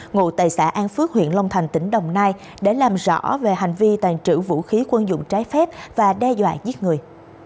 ngụ tại xã an phước huyện long thành tỉnh đồng nai để làm rõ về hành vi tàn trữ vũ khí quân dụng trái phép và đe dọa giết người